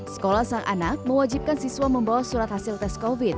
sekolah sang anak mewajibkan siswa membawa surat hasil tes covid sembilan